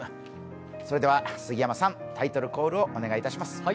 それでは杉山さん、タイトルコールをお願いします。